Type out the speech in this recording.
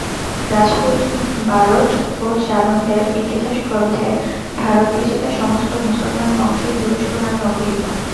রাজপুত বারট ও চারণদের ইতিহাসগ্রন্থে ভারতবিজেতা সমস্ত মুসলমান বংশই তুরস্ক নামে অভিহিত।